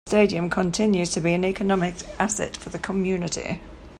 The Stadium continues to be an economic asset for the community.